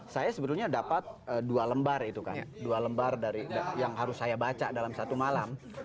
saya sebetulnya dapat dua lembar itu kan dua lembar dari yang harus saya baca dalam satu malam